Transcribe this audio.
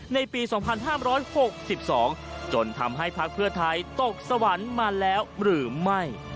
ในปี๒๕๖๒จนทำให้พักเพื่อไทยตกสวรรค์มาแล้วหรือไม่